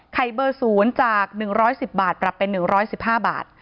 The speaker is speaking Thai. เบอร์๐จาก๑๑๐บาทปรับเป็น๑๑๕บาท